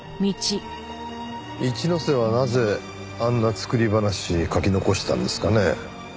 一之瀬はなぜあんな作り話書き残したんですかね？